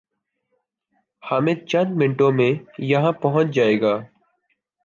حامد چند منٹوں میں یہاں پہنچ جائے گا